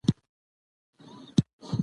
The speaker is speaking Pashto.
هغه زمونږ دي کلې یو لیونی شخص دی.